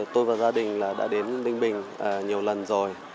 tôi và gia đình đã đến ninh bình nhiều lần rồi